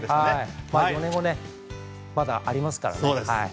４年後まだありますから。